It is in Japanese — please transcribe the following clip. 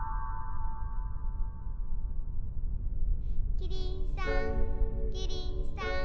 キリンさんキリンさん